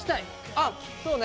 あっそうね。